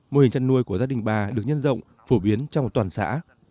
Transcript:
mô hình chăn nuôi của gia đình bà được nhân rộng phổ biến trong toàn xã